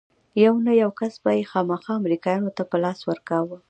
يو نه يو کس به يې خامخا امريکايانو ته په لاس ورکاوه.